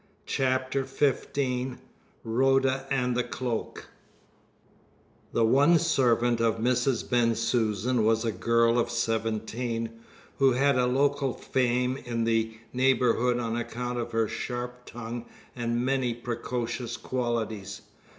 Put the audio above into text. CHAPTER XV RHODA AND THE CLOAK The one servant of Mrs. Bensusan was a girl of seventeen, who had a local fame in the neighbourhood on account of her sharp tongue and many precocious qualities.